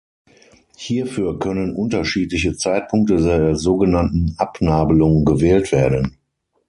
Hierfür können unterschiedliche Zeitpunkte der sogenannten Abnabelung gewählt werden.